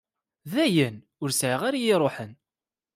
Dayen, ur sɛiɣ ara y-iruḥen.